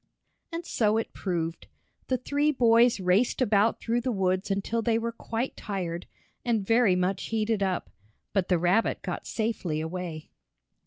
And so it proved. The three boys raced about through the woods until they were quite tired, and very much heated up. But the rabbit got safely away.